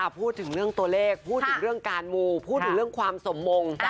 พูดถึงเรื่องตัวเลขพูดถึงเรื่องการมูพูดถึงเรื่องความสมมง